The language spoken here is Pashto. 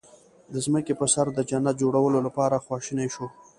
د ځمکې په سر د جنت جوړولو لپاره خواشني شو.